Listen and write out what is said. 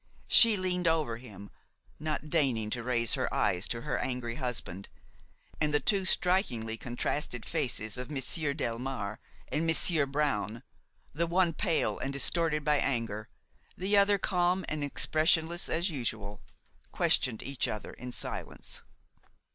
She leaned over him, not deigning to raise her eyes to her angry husband, and the two strikingly contrasted faces of Monsieur Delmare and Monsieur Brown, the one pale and distorted by anger, the other calm and expressionless as usual, questioned each other in silence.